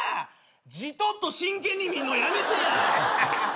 じとっと真剣に見るのやめて。